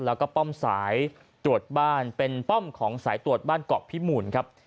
แล้วก็ป้อมสายตรวจบ้านเป็นป้อมของสายตรวจบ้านเกาะพิมูลครับ